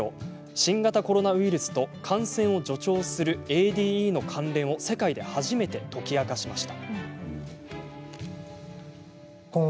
新型コロナウイルスと感染を助長するＡＤＥの関連を世界で初めて解き明かしました。